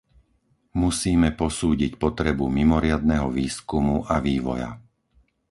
Musíme posúdiť potrebu mimoriadneho výskumu a vývoja.